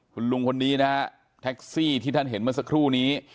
คุณลุงคนนี้นะฮะแท็กซี่ที่ท่านเห็นเมื่อสักครู่นี้